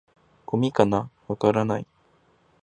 「ゴミかな？」「わからない」